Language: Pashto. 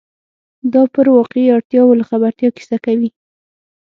دا پر واقعي اړتیاوو له خبرتیا کیسه کوي.